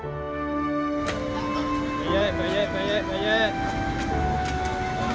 banyak banyak banyak